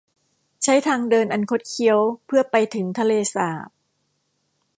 ใช้ทางเดินอันคดเคี้ยวเพื่อ ไปถึงทะเลสาบ